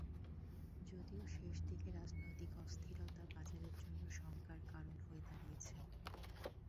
যদিও শেষ দিকে রাজনৈতিক অস্থিরতা বাজারের জন্য শঙ্কার কারণ হয়ে দাঁড়িয়েছে।